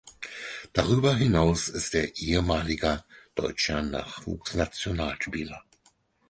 Darüber hinaus ist er ehemaliger deutscher Nachwuchsnationalspieler.